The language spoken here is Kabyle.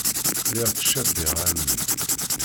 Lliɣ ttcabiɣ ɛemmi.